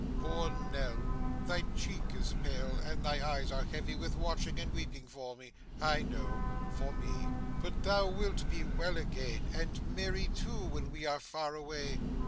Poor Nell! Thy cheek is pale, and thy eyes are heavy with watching and weeping for me I know for me; but thou wilt be well again, and merry too, when we are far away.